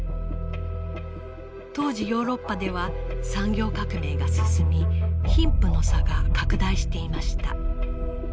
当時ヨーロッパでは産業革命が進み貧富の差が拡大していました。